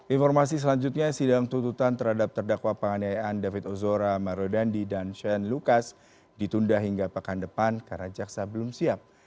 informasi selanjutnya sidang tuntutan terhadap terdakwa penganiayaan david ozora mario dandi dan shane lucas ditunda hingga pekan depan karena jaksa belum siap